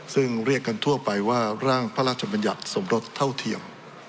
ซึ่งเรียกกันทั่วไปว่าร่างพระราชบัญญัติสมรสเท่าเทียม